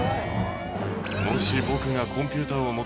もし僕がコンピューターを持